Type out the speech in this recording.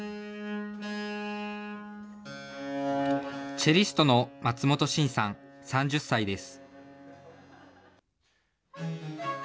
チェリストの松本晋さん３０歳です。